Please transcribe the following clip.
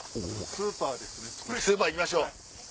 スーパー行きましょう！